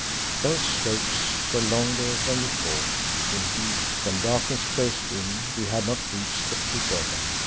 Those slopes were longer than we thought; indeed, when darkness closed in we had not reached the foot of them.